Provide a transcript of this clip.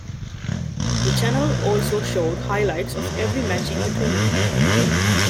The channel also showed highlights of every match in the tournament.